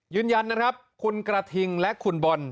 ยืนยันนะครับคุณกระทิงและคุณบอล